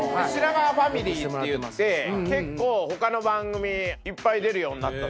っていって結構他の番組いっぱい出るようになった。